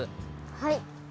はい。